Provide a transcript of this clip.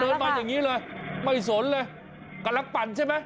มาอย่างนี้เลยไม่สนเลยกำลังปั่นใช่ไหม